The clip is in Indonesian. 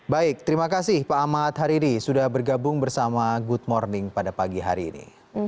baik terima kasih pak ahmad haridi sudah bergabung bersama good morning pada pagi hari ini